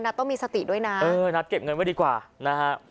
ต้องมีสติด้วยนะเออนัดเก็บเงินไว้ดีกว่านะฮะ